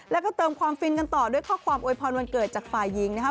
แล้วก็เติมความฟินกันต่อด้วยข้อความโวยพรวันเกิดจากฝ่ายหญิงนะครับ